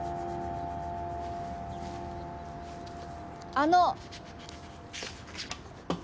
あの！